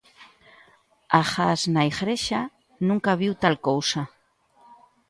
Agás na igrexa, nunca viu tal cousa.